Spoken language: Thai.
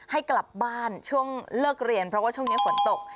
ให้กลับบ้านช่วงเลิกเรียนเพราะว่าช่วงนี้ฝนตก